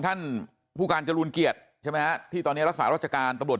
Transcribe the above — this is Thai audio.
ท่านผู้การจรูนเกียรติใช่ไหมฮะที่ตอนนี้รักษารัชการตำรวจ